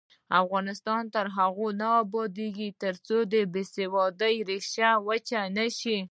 افغانستان تر هغو نه ابادیږي، ترڅو د بې سوادۍ ریښې وچې نشي.